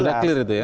sudah clear itu ya